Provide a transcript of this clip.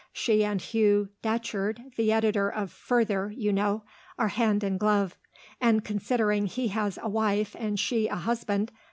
She and Hugh Datcherd the editor of Further, you know are hand and glove. And considering he has a wife and she a husband